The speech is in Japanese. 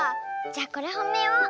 じゃこれほめよう。